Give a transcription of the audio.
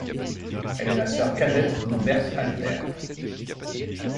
Elle est la sœur cadette de Berthe Alter.